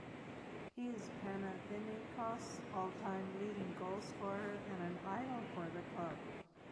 He is Panathinaikos' all-time leading goalscorer and an idol for the club.